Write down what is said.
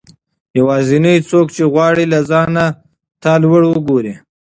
يوازنی څوک چې غواړي له ځانه تا لوړ وګورئ